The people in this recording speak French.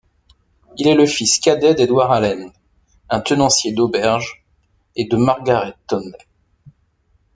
Il est le fils cadet d'Edward Alleyn, un tenancier d'auberge, et de Margaret Townley.